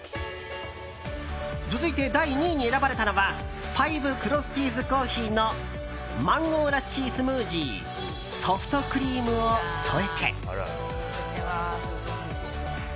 続いて、第２位に選ばれたのは５ＣＲＯＳＳＴＩＥＳＣＯＦＦＥＥのマンゴーラッシースムージーソフトクリームを添えて。